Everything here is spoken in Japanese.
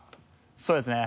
そうですね